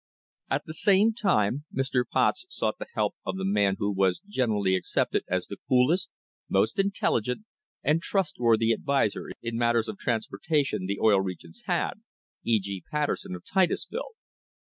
At the same time Mr. Potts sought the help of the man who was generally accepted as the coolest, most intelligent, and trustworthy adviser in matters of transporta tion the Oil Regions had, E. G. Patterson, of Titusville.